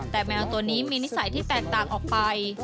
แต่แมวตัวนี้มีนิสัยที่แตกต่างออกไป